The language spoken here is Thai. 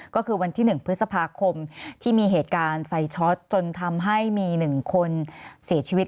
ก็คือวันที่๑พฤษภาคมที่มีเหตุการณ์ไฟช็อตจนทำให้มี๑คนเสียชีวิต